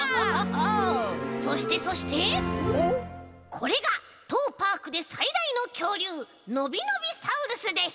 これがとうパークでさいだいのきょうりゅうのびのびサウルスです。